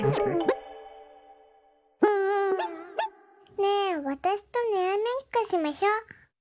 ねえわたしとにらめっこしましょ。